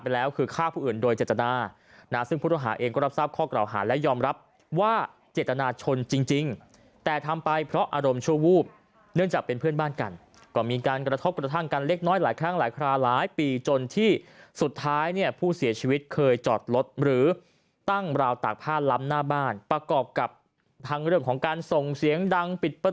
ชิคกี้พายคิดว่าชิคกี้พายคิดว่าชิคกี้พายคิดว่าชิคกี้พายคิดว่าชิคกี้พายคิดว่าชิคกี้พายคิดว่าชิคกี้พายคิดว่าชิคกี้พายคิดว่าชิคกี้พายคิดว่าชิคกี้พายคิดว่าชิคกี้พายคิดว่าชิคกี้พายคิดว่าชิคกี้พายคิดว่าชิคกี้พายคิดว่าชิคกี้พายคิดว่าชิคกี้พายคิดว